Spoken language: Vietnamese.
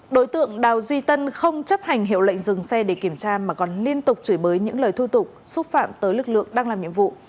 đối tượng đào duy tân không chấp hành hiệu lệnh dừng xe để kiểm tra mà còn liên tục chửi bới những lời thu tục xúc phạm tới lực lượng đang làm nhiệm vụ